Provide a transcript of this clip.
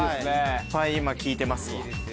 いっぱい今聞いてますわ。